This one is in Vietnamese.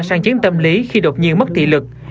sang chiến tâm lý khi đột nhiên mất thị lực